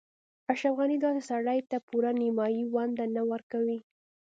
اشرف غني داسې سړي ته پوره نیمايي ونډه نه ورکوي.